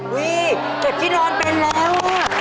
เก็บที่นอนเป็นแล้ว